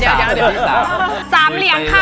๓เหรียญค่ะ